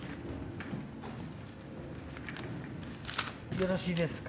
よろしいですか？